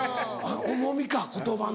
重みか言葉の。